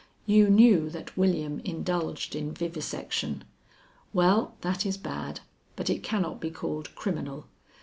You knew that William indulged in vivisection. Well, that is bad, but it cannot be called criminal.